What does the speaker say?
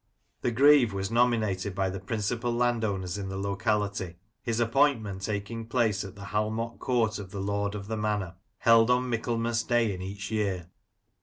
The Greave was nominated by the principal landowners in the locality, his appointment taking place at the Halmot Court of the Lord of the Manor, held on Michaelmas Day in each year.